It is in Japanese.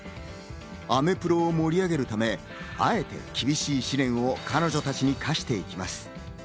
アメプロを盛り上げるため、あえて厳しい試練を彼女たちに課していきます。